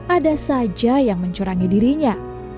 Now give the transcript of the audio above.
ada saja yang mencurangi dirinya